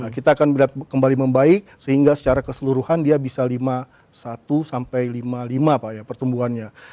kita akan melihat kembali membaik sehingga secara keseluruhan dia bisa lima puluh satu sampai lima puluh lima pak ya pertumbuhannya